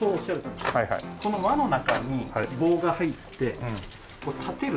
この輪の中に棒が入ってこう立てる。